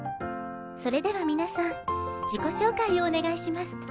それでは皆さん自己紹介をお願いします。